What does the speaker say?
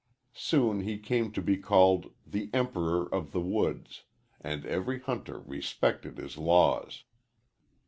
Soon he came to be called "The Emperor of the Woods," and every hunter respected his laws.